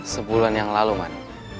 sebulan yang lalu man